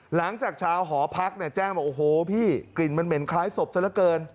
หลังจากชาวหอพักเนี่ยแจ้งบอกโอ้โหพี่กลิ่นมันเหม็นคล้ายศพซะละเกิน